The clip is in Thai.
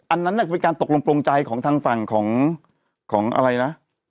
อันนั้นเป็นการตกลงโปรงใจของทางฝั่งของอะไรนะ